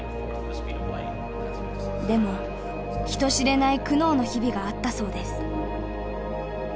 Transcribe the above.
でも人知れない苦悩の日々があったそうです。